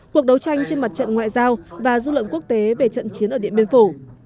cuộc đấu tranh trên mặt trận ngoại giao và dư luận quốc tế về trận chiến ở điện biên phủ